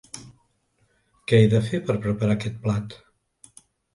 Què he de fer per preparar aquest plat?